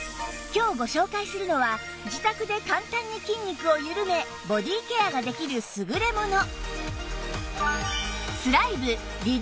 今日ご紹介するのは自宅で簡単に筋肉を緩めボディケアができる優れもの